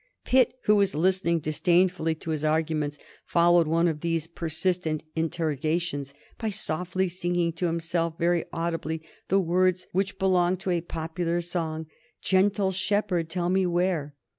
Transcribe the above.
Pitt, who was listening disdainfully to his arguments, followed one of these persistent interrogations by softly singing to himself, very audibly, the words which belonged to a popular song, "Gentle shepherd, tell me where."